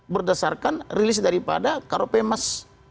berdasarkan rilis daripada karopemas